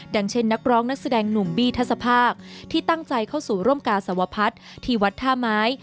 เช่นนักร้องนักแสดงหนุ่มบี้ทัศภาคที่ตั้งใจเข้าสู่ร่มกาสวพัฒน์ที่วัดท่าไม้